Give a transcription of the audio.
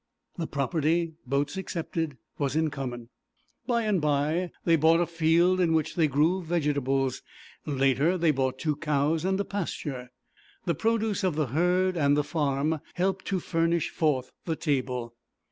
The property, boats excepted, was in common. By and by they bought a field in which they grew vegetables; later they bought two cows and a pasture. The produce of the herd and the farm helped to furnish forth the table.